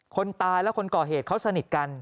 คนตายและคนก่อเหตุเขาสนิทกัน